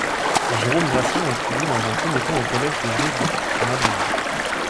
Jérôme Gratien étudie dans un premier temps au collège des Jésuites à Madrid.